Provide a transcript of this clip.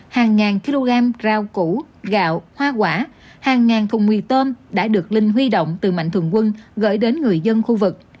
hàng ngàn kg rau củ gạo hoa quả hàng ngàn thùng mì tôm đã được linh huy động từ mạnh thường quân gửi đến người dân khu vực